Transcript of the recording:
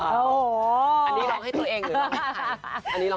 อันนี้ลองให้ตัวเองหรือลองให้ใคร